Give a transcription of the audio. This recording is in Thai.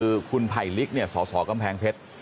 คือคุณไผลลิกสอกำแพงเพชร